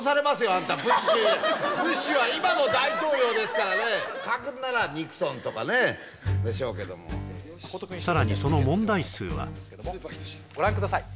あんたブッシュブッシュは今の大統領ですからね書くんならニクソンとかねでしょうけどもさらにそのご覧ください